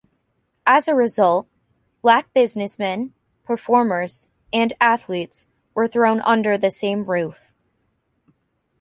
As a result, black businessmen, performers, and athletes were thrown under the same roof.